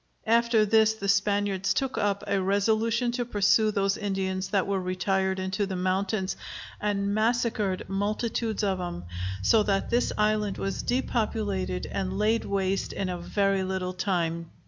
After this the Spaniards took up a resolution to pursue those Indians that were retired into the mountains, and massacred multitudes of 'em; so that this island was depopulated and laid waste in a very little time.